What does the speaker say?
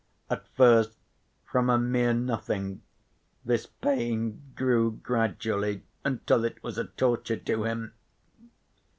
At first, from a mere nothing, this pain grew gradually until it was a torture to him.